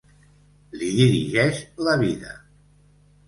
Li dirigeix la vida.